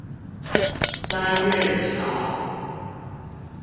山月橋